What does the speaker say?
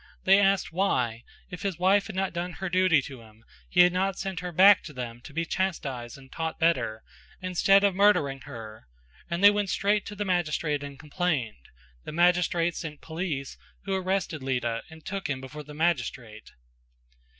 They asked why, if his wife had not done her duty to him, he had not sent her back to them to be chastised and taught better, instead of murdering her and they went straight to the magistrate and complained: the magistrate sent police who arrested Lita and took him before the magistrate.